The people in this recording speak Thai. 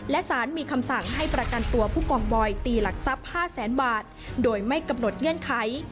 และสารมีคำสั่งให้ประกันตัวผู้กองบอยตีหลักทรัพย์๕แสนบาทโดยไม่กำหนดเงื่อนไข